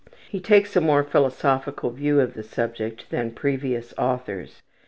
He takes a more philosophical view of the subject than previous authors.